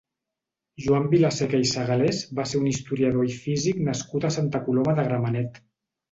Joan Vilaseca i Segalés va ser un historiador i físic nascut a Santa Coloma de Gramenet.